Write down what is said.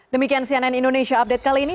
demikian cnn indonesia update kali ini